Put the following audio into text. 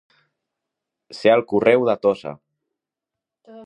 Ser el correu de Tossa.